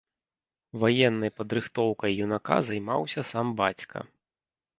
Ваеннай падрыхтоўкай юнака займаўся сам бацька.